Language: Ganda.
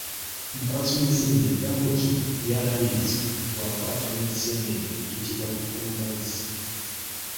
Omukwasi w’enseenene bigambo ki byalamiriza bwakwaata enseenene eyitibwa kulubazzi?